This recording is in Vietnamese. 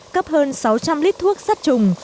cấp hơn sáu trăm linh lít thuốc sắt trùng